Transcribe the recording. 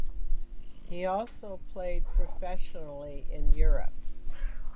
He also played professionally in Europe.